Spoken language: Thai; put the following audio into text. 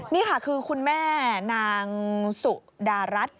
นี่ค่ะคือคุณแม่นางสุดารัฐ